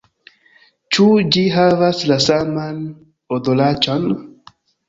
- Ĉu ĝi havas la saman odoraĉon?